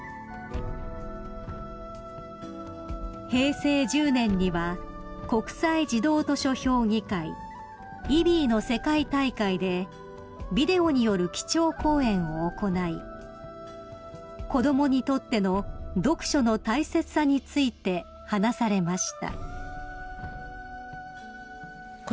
［平成１０年には国際児童図書評議会ＩＢＢＹの世界大会でビデオによる基調講演を行い子供にとっての読書の大切さについて話されました］